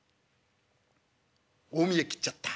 大見得切っちゃった。